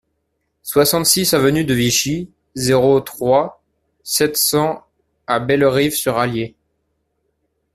soixante-six avenue de Vichy, zéro trois, sept cents à Bellerive-sur-Allier